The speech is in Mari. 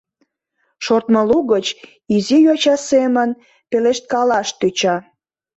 Шортмо лугыч изи йоча семын пелешткалаш тӧча: